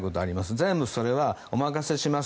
全部それはお任せします